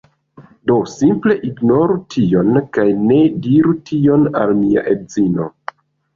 Do simple ignoru tion, kaj ne diru tion al mia edzino.